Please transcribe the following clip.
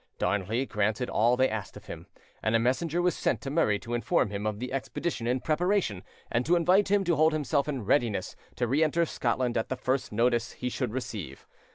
Darnley granted all they asked of him, and a messenger was sent to Murray to inform him of the expedition in preparation, and to invite him to hold himself in readiness to reenter Scotland at the first notice he should receive.